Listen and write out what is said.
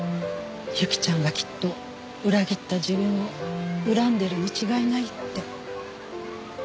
侑希ちゃんがきっと裏切った自分を恨んでいるに違いないって。